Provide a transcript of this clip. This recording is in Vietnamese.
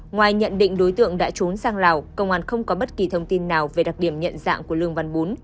ngoài nhận định đối tượng đã trốn sang lào công an không có bất kỳ thông tin nào về đặc điểm nhận dạng của lương văn bún